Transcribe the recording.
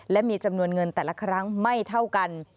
และมีจำนวนเงินแต่ละครั้งไม่เท่ากัน